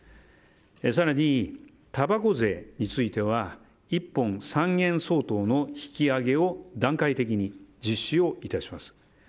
更に、たばこ税については１本３円相当の引き上げを段階的に実施をいたします。